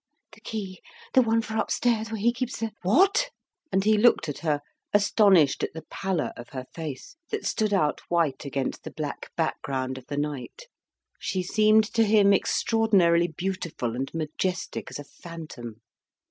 "The key! the one for upstairs where he keeps the " "What?" And he looked at her, astonished at the pallor of her face, that stood out white against the black background of the night. She seemed to him extraordinarily beautiful and majestic as a phantom.